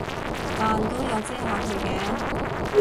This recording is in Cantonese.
但都有遮下佢嘅